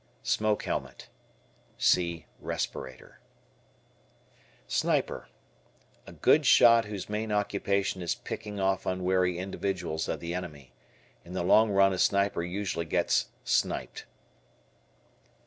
Smoke Helmet. See respirator. Sniper. A good shot whose main occupation is picking off unwary individuals of the enemy. In the long run a sniper usually gets "sniped."